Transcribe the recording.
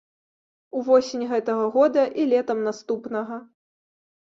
Увосень гэтага года і летам наступнага.